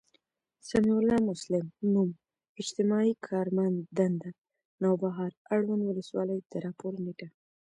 سمیع الله مسلم، نـــوم، اجتماعي کارمنددنــده، نوبهار، اړونــد ولسـوالـۍ، د راپــور نیــټه